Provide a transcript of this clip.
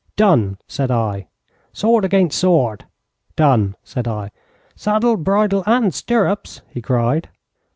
'Done!' said I. 'Sword against sword.' 'Done!' said I. 'Saddle, bridle, and stirrups!' he cried.